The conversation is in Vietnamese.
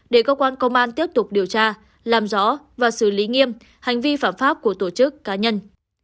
để cơ quan công an tiếp tục điều tra làm rõ và xử lý nghiêm hành vi phạm pháp của tổ chức cá nhân